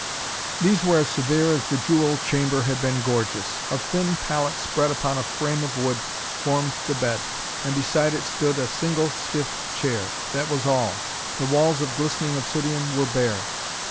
These were as severe as the jewel chamber had been gorgeous. A thin pallet spread upon a frame of wood formed the bed, and beside it stood a single stiff chair. That was all. The walls of glistening obsidion were bare.